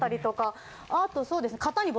あとそうですね。